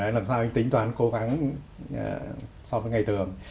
làm sao anh tính toán cố gắng so với ngày thường